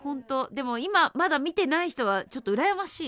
でも今まだ見てない人はちょっと羨ましい。